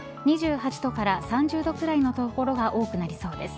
２８度から３０度くらいの所が多くなりそうです。